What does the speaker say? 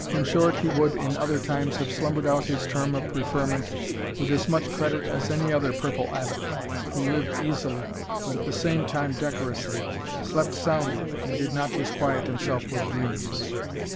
In short, he would in other times have slumbered out his term of preferment with as much credit as any other "purple Abbot," who lived easily, but at the same time decorously slept soundly, and did not disquiet himself with dreams.